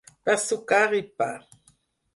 Per sucar-hi pa.